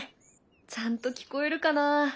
ちゃんと聞こえるかな？